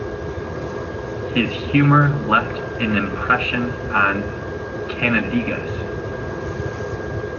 His humor left an impression on Kannadigas.